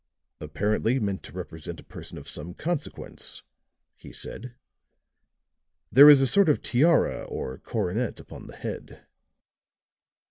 "Apparently meant to represent a person of some consequence," he said. "There is a sort of tiara, or coronet upon the head."